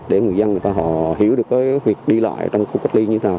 để người dân người ta họ hiểu được việc đi lại trong khu cách ly như thế nào